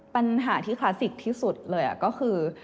ปัญหาที่คลาสสิกที่สุดเลยก็คือ